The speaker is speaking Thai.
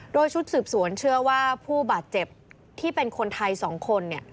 โดยชุดสืบสวนเชื่อว่าผู้บาดเจ็บที่เป็นคนไทย๒คน